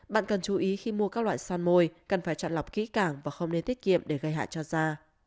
bạn cần chú ý khi mua các loại san môi cần phải chọn lọc kỹ càng và không nên tiết kiệm để gây hại cho da